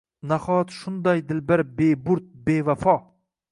Nahot, shundoq dilbar beburd, bevafo?